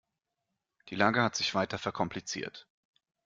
Die Lage hat sich weiter verkompliziert.